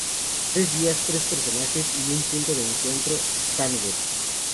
Tres días, tres personajes y un punto de encuentro, Tánger.